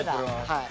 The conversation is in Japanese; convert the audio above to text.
はい。